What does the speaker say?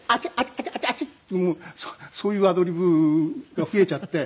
熱い熱い熱い！」ってもうそういうアドリブが増えちゃって。